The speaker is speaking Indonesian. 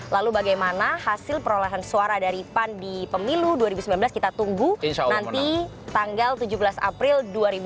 lalu bagaimana hasil perolehan suara dari pan di pemilu dua ribu sembilan belas kita tunggu nanti tanggal tujuh belas april dua ribu sembilan belas